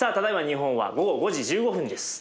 日本は午後５時１５分です。